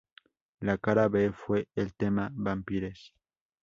La cara B fue el tema "Vampires".